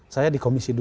saya di komisi dua